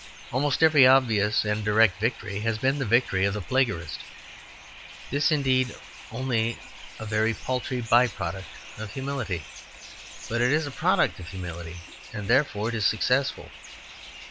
Almost every obvious and direct victory has been the victory of the plagiarist. This is, indeed, only a very paltry by product of humility, but it is a product of humility, and, therefore, it is successful.